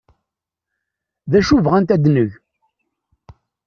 D acu bɣant ad neg?